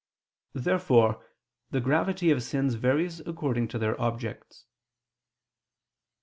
Therefore the gravity of sins varies according to their objects.